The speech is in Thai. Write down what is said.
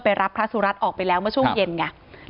รับพระสุรัตน์ออกไปแล้วเมื่อช่วงเย็นไง